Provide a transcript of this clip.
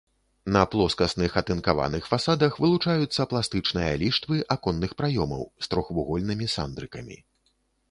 На плоскасных атынкаваных фасадах вылучаюцца пластычныя ліштвы аконных праёмаў з трохвугольнымі сандрыкамі.